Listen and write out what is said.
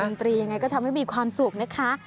ดนตรียังไงก็ทำให้มีความสุขนะคะ